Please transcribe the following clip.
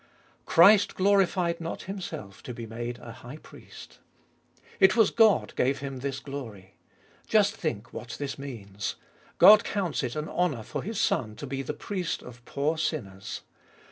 Christ glorified not Himself to be made a High Priest : it was God gave Him this glory. Just think what this means. God counts it an honour for His Son to be the Priest of poor sinners.